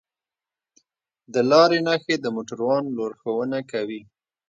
د لارې نښه د موټروان لارښوونه کوي.